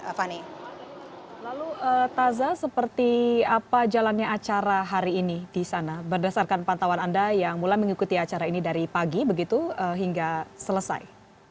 lalu taza seperti apa jalannya acara hari ini di sana berdasarkan pantauan anda yang mulai mengikuti acara ini dari pagi begitu hingga selesai